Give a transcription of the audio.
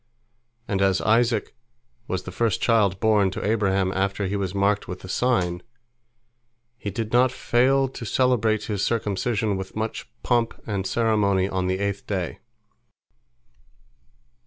And as Isaac was the first child born to Abraham after he was marked with the sign, he did not fail to celebrate his circumcision with much pomp and ceremony on the eighth day.